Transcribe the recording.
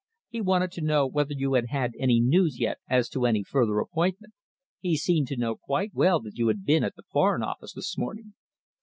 He wanted to know whether you had had any news yet as to any further appointment. He seemed to know quite well that you had been at the Foreign Office this morning."